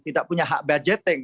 tidak punya hak budgeting